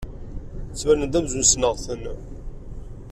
Ttbanen-d amzun ssneɣ-ten.